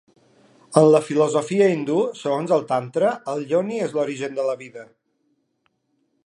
En la filosofia hindú, segons el tantra, el yoni és l'origen de la vida.